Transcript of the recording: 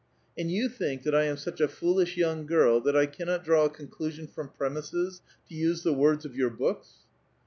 " And you think that I am such a foolish young girl that I cannot draw a conclusion from premises, to use the words of your books